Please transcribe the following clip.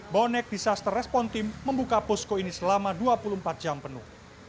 bonek disaster respon team membuka posko ini selama dua puluh empat jam penuh